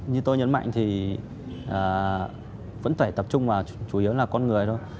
như tôi nhấn mạnh thì vẫn phải tập trung vào chủ yếu là con người thôi